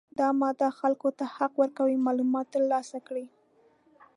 دا ماده خلکو ته حق ورکوي معلومات ترلاسه کړي.